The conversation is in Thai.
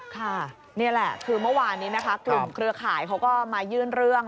ค่ะนี่แหละคือเมื่อวานนี้นะคะกลุ่มเครือข่ายเขาก็มายื่นเรื่อง